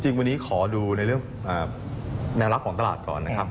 จริงวันนี้ขอดูในเรื่องแนวรับของตลาดก่อนนะครับ